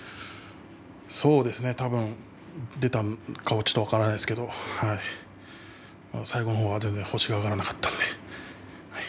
そうですね多分、出たのかちょっと分かりませんけれども最後の方は全然星が挙がらなかったので。